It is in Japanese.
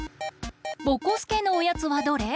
ぼこすけのおやつはどれ？